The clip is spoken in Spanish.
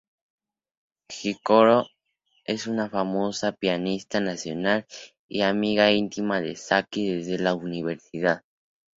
Hiroko es una famosa pianista nacional y amiga íntima de Saki desde la universidad.